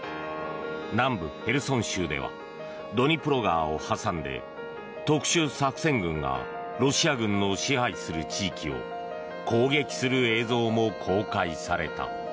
南部ヘルソン州ではドニプロ川を挟んで特殊作戦軍がロシア軍の支配する地域を攻撃する映像も公開された。